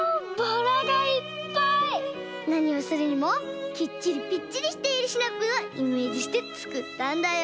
なにをするにもきっちりぴっちりしているシナプーをイメージしてつくったんだよ。